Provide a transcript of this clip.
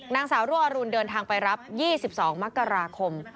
นางสาวรั่วอรุณเดินทางไปรับ๒๒มกราคม